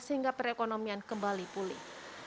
sehingga perekonomian kembali pulih